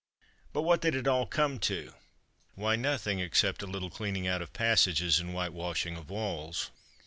But what did it all come to? Why, nothing, except a little cleaning out of passages and whitewashing of walls.